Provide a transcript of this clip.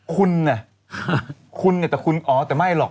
คุณเนี่ยคุณเนี่ยแต่คุณอ๋อแต่ไม่หรอก